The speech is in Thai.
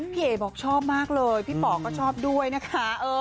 พี่เอ๋บอกชอบมากเลยพี่ป๋อก็ชอบด้วยนะคะ